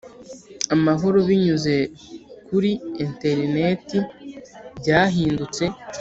amahoro binyuze kuriinterineti byahindutse